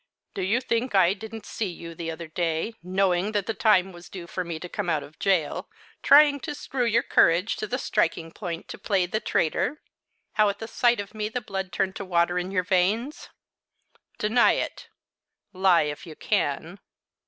"Do you think I didn't see you the other day, knowing that the time was due for me to come out of gaol, trying to screw your courage to the striking point to play the traitor; how at the sight of me the blood turned to water in your veins? Deny it lie if you can."